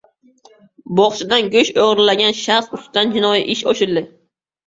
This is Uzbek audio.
Bog‘chadan go‘sht o‘g‘irlagan shaxs ustidan jinoiy ish ochildi